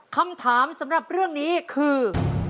คำถามสำหรับเรื่องนี้คือ